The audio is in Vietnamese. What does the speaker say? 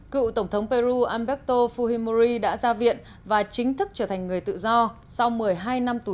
cựu tổng thống peru alberto fuhimori đã ra viện và chính thức trở thành người tự do sau một mươi hai năm tù